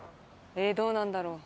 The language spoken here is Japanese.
どうなんだろう。